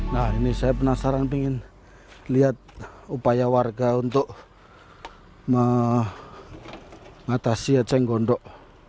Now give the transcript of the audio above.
nah ini saya penasaran ingin lihat upaya warga untuk mengatasi eceng gondok